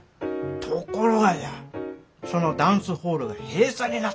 ところがじゃそのダンスホールが閉鎖になったんじゃ。